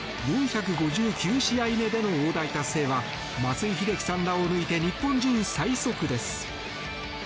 ４５９試合目での大台達成は松井秀喜さんらを抜いて日本人最速です。